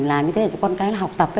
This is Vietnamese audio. làm như thế cho con cái học tập